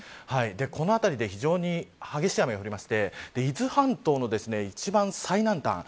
この辺りで非常に激しい雨が降りまして伊豆半島の一番最南端